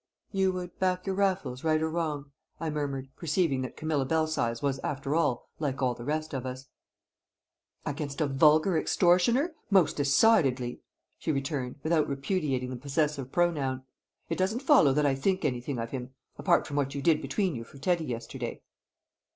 "You would back your Raffles right or wrong?" I murmured, perceiving that Camilla Belsize was, after all, like all the rest of us. "Against a vulgar extortioner, most decidedly!" she returned, without repudiating the possessive pronoun. "It doesn't follow that I think anything of him apart from what you did between you for Teddy yesterday."